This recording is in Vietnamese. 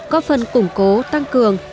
có phần củng cố tăng cường